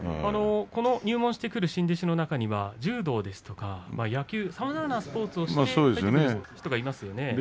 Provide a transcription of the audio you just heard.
入門してくる新弟子の中には柔道や野球、さまざまなスポーツをする人がいますよね。